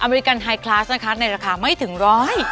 เมริกันไฮคลาสนะคะในราคาไม่ถึงร้อย